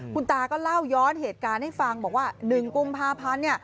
คุณตาก็เล่าย้อนเหตุการณ์ให้ฟังบอกว่า๑กุมภาพันธ์